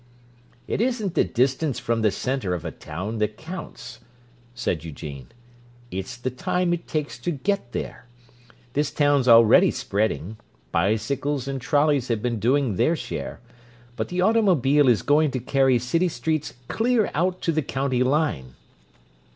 "It isn't the distance from the center of a town that counts," said Eugene; "it's the time it takes to get there. This town's already spreading; bicycles and trolleys have been doing their share, but the automobile is going to carry city streets clear out to the county line."